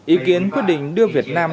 ý kiến quyết định đưa việt nam